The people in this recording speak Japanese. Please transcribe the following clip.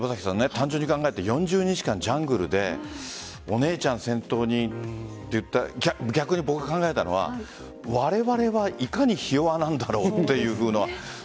単純に考えて４０日間ジャングルでお姉ちゃんを先頭に僕が逆に考えたのはわれわれはいかにひ弱なんだろうという。